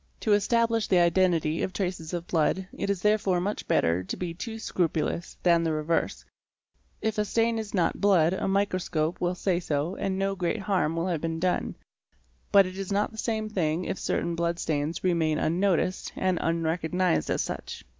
To establish the identity of traces of blood it is therefore SEARCH FOR BLOOD 557 much better to be too scrupulous than the reverse; if a stain is not blood a microscope will say so and no great harm will have been done,— but it is not the same thing if certain blood stains remain unnoticed and unrecognised as such.